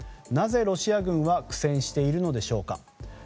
なぜロシア軍は苦戦しているんでしょうか。